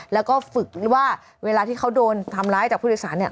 แล้วก็ฝึกว่าเวลาที่เขาโดนทำร้ายจากผู้โดยสารเนี่ย